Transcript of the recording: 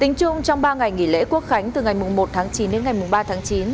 tính chung trong ba ngày nghỉ lễ quốc khánh từ ngày một chín đến ngày ba chín